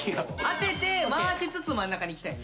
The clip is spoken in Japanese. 当てて回しつつ真ん中にいきたい。